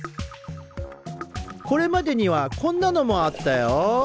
これまでにはこんなのもあったよ。